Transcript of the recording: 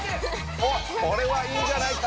おっこれはいいんじゃないか？